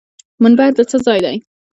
منبر د څه ځای دی؟